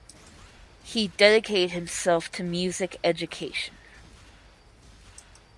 He dedicated himself to music education.